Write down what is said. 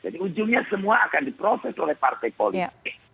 jadi ujungnya semua akan diproses oleh partai politik